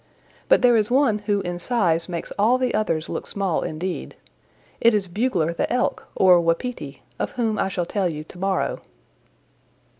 But there is one who in size makes all the others look small indeed. It is Bugler the Elk, or Wapiti, of whom I shall tell you to morrow."